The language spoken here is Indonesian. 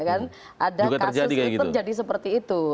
ada kasus itu jadi seperti itu